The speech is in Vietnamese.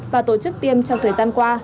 và tổ chức tiêm trong thời gian qua